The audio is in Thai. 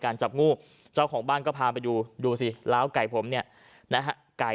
จับงูเจ้าของบ้านก็พาไปดูดูสิล้าวไก่ผมเนี่ยนะฮะไก่